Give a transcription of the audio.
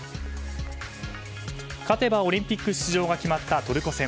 勝てばオリンピック出場が決まったトルコ戦。